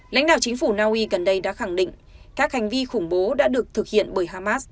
lãnh đạo chính phủ naui gần đây đã khẳng định các hành vi khủng bố đã được thực hiện bởi hamas